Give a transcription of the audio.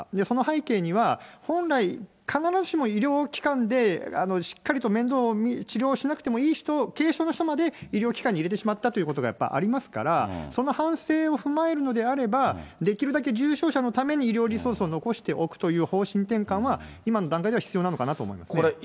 その背景には、本来、必ずしも医療機関で、しっかりと面倒を、治療をしなくていい人、軽症の人まで医療機関に入れてしまったということが、やっぱりありますから、その反省を踏まえるのであれば、できるだけ重症者のために医療リソースを残しておくという方針転換は、今の段階では必要なのかなと思いますね。